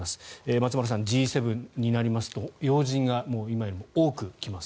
松丸さん、Ｇ７になりますと要人が今より多く来ます。